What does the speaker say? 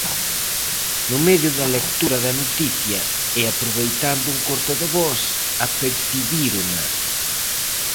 No medio da lectura da noticia, e aproveitando un corte de voz, apercibírona.